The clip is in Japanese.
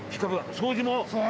掃除も！